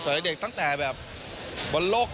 สวนให้เด็กตั้งแต่บนโรค